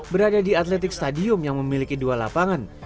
berada di atletik stadium yang memiliki dua lapangan